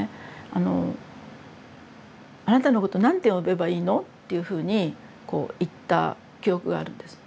あの「あなたのこと何て呼べばいいの？」っていうふうにこう言った記憶があるんです。